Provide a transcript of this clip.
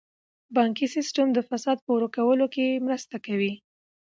بانکي سیستم د فساد په ورکولو کې مرسته کوي.